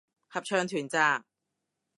合唱團咋